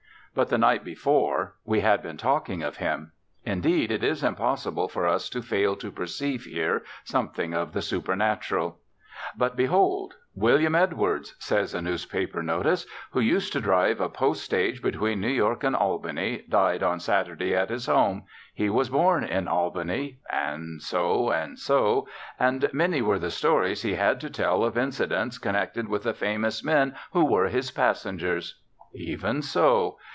But the night before we had been talking of him. Indeed, it is impossible for us to fail to perceive here something of the supernatural. But hold! "William Edwards," says a newspaper notice, "who used to drive a post stage between New York and Albany, died on Saturday at his home. He was born in Albany," and so and so, "and many were the stories he had to tell of incidents connected with the famous men who were his passengers." Even so.